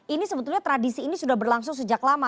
ini sebetulnya tradisi ini sudah berlangsung sejak lama